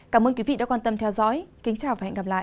cảm ơn quý vị đã quan tâm theo dõi kính chào và hẹn gặp lại